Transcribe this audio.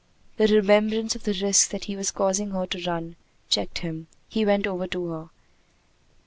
The remembrance of the risk that he was causing her to run checked him. He went over to her.